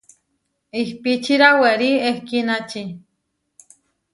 Ihpíčira werí ehkínači.